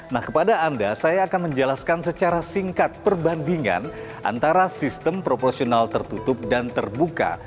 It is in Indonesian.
nah kepada anda saya akan menjelaskan secara singkat perbandingan antara sistem proporsional tertutup dan terbuka